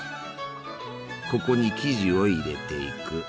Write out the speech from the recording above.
ここに生地を入れていく。